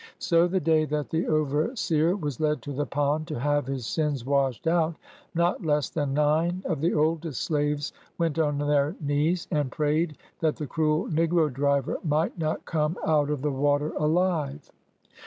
So. the day that the overseer was led to the pond to have his sins washed out, not less than nine of the oldest slaves went on their knees, and prayed that the cruel negro driver might not come out of the water alive.